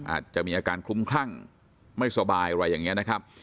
อาจจะมีอาการคลุ้มคลั่งไม่สบายอะไรอย่างนี้นะครับ